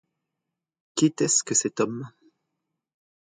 Qu’était-ce que cet homme